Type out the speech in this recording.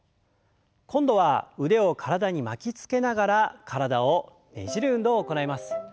今度は腕を体に巻きつけながら体をねじる運動を行います。